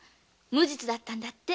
無実だったんだって。